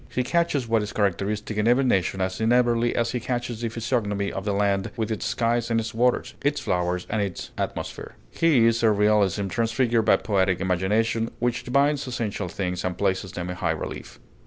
He catches what is characteristic in every nation as inevitably as he catches the physiognomy of a land with its skies and its waters, its flowers and its atmosphere. His is a realism transfigured by poetic imagination, which divines essential things and places them in high relief.